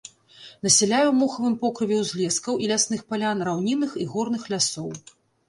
Насяляе ў мохавым покрыве узлескаў і лясных палян раўнінных і горных лясоў.